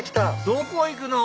どこ行くの⁉